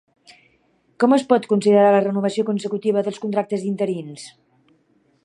Com es pot considerar la renovació consecutiva dels contractes d'interins?